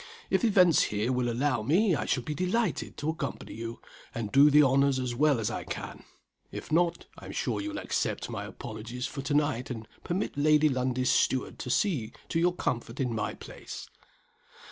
If events here will allow me, I shall be delighted to accompany you, and do the honors as well as I can. If not, I am sure you will accept my apologies for to night, and permit Lady Lundie's steward to see to your comfort in my place."